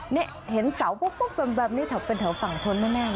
นี่เห็นเสาปุ๊บแบบนี้แถวเป็นแถวฝั่งทนแน่